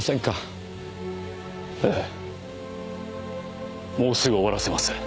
ええもうすぐ終わらせます。